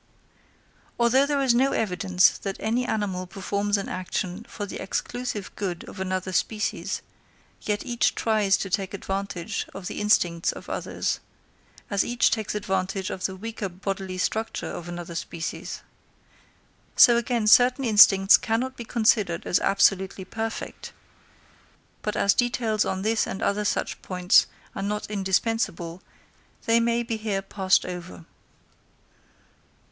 Although there is no evidence that any animal performs an action for the exclusive good of another species, yet each tries to take advantage of the instincts of others, as each takes advantage of the weaker bodily structure of other species. So again certain instincts cannot be considered as absolutely perfect; but as details on this and other such points are not indispensable, they may be here passed over.